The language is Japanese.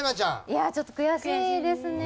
いやちょっと悔しいですね。